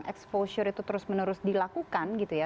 exposure itu terus menerus dilakukan gitu ya